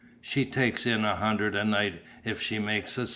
"She takes in a hundred a night if she makes a cent!"